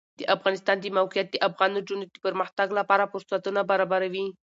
د افغانستان د موقعیت د افغان نجونو د پرمختګ لپاره فرصتونه برابروي.